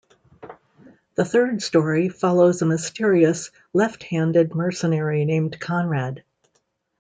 The third story follows a mysterious, left-handed mercenary named Konrad.